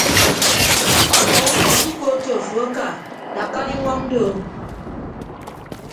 Ọduọk ukọd ukootto afo aka dakka diñwọñ doo.